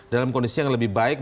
dalam kondisi yang lebih baik